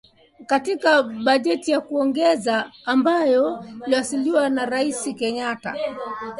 Katika bajeti ya nyongeza ambayo ilisainiwa na Rais Kenyatta